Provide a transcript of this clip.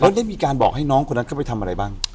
แล้วได้มีการบอกให้น้องคนนั้นเข้าไปทำอะไรบ้าง